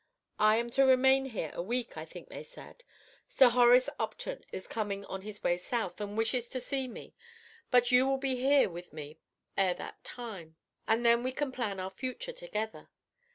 _ I am to remain here a week, I think they said. Sir Horace Upton is coming on his way south, and wishes to see me; but you will be with me ere that time, and then we can plan our future together.